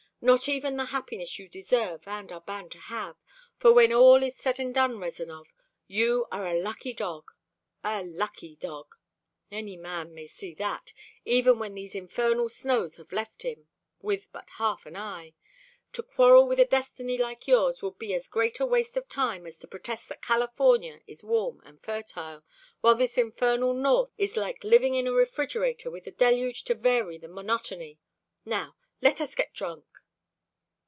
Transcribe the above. Not even the happiness you deserve and are bound to have for when all is said and done, Rezanov, you are a lucky dog, a lucky dog! Any man may see that, even when these infernal snows have left him with but half an eye. To quarrel with a destiny like yours would be as great a waste of time as to protest that California is warm and fertile, while this infernal North is like living in a refrigerator with the deluge to vary the monotony. Now let us get drunk!"